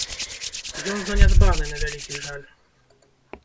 Ён занядбаны, на вялікі жаль.